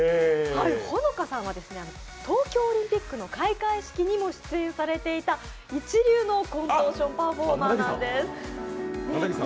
Ｈｏｎｏｋａさんは東京オリンピックの開会式にも出演されていた一流のコントーションパフォーマーなんです。